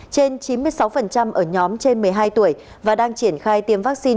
trên chín mươi sáu ở nhóm trên một mươi hai tuổi và đang triển khai tiêm vaccine